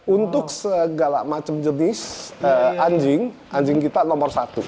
untuk segala macam jenis anjing anjing kita nomor satu